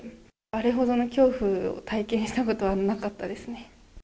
あれほどの恐怖を体験したことはなかったですね。